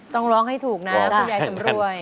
ต้องร้องให้ถูกนะผู้ใหญ่สำรวย